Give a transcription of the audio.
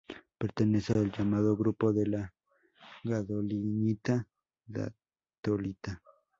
Pertenece al llamado "grupo de la gadolinita-datolita".